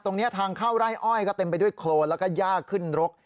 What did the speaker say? ตรงนี้ทางเข้าไร่อ้อยก็เต็มไปด้วยโครนแล้วก็ย่าขึ้นรก